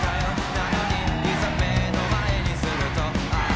なのにいざ目の前にするとああ！